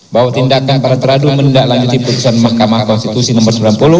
bahwa tindakan para tradu mendaklanjuti keputusan mahkamah konstitusi nomor sembilan puluh